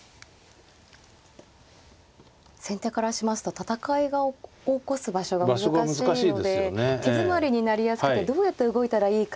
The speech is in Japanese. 先手からしますと戦いを起こす場所が難しいので手詰まりになりやすくてどうやって動いたらいいかというのが。